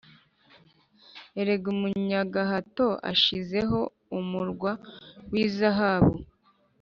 Erega umunyagahato ashizeho Umurwa w’izahabu